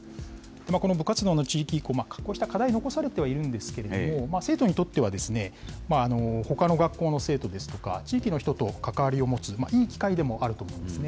この部活動の地域移行、こうした課題、残されてはいるんですけれども、生徒にとっては、ほかの学校の生徒ですとか、地域の人と関わりを持つ、いい機会でもあると思うんですね。